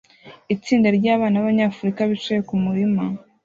Itsinda ryabana babanyafrika bicaye kumurima